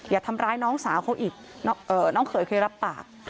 อย่าทำร้ายน้องสาวเขาอีกน้องเขยเคยรับปาก